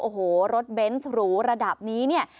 โอ้โหรถเบนส์หรูระดับนี้เนี่ย